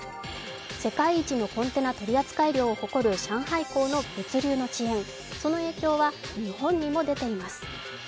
世界一のコンテナ取扱量を誇る上海港の物流の遅延、その影響は日本にも出ています。